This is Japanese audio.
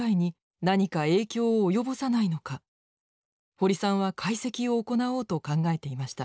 堀さんは解析を行おうと考えていました。